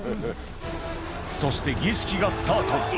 そして儀式がスタート